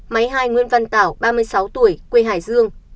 máy hai nguyễn văn tảo ba mươi sáu tuổi quê hải dương